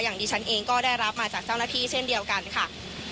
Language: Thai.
ดิฉันเองก็ได้รับมาจากเจ้าหน้าที่เช่นเดียวกันค่ะ